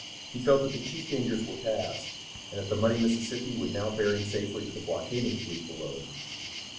He felt that the chief dangers were passed, and that the muddy Mississippi would now bear him safely to the blockading fleet below.